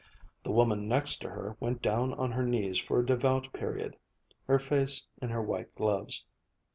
The woman next her went down on her knees for a devout period, her face in her white gloves.